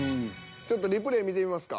ちょっとリプレイ見てみますか。